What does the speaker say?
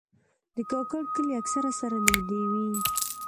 د کاکړ کلي اکثره سره نږدې وي.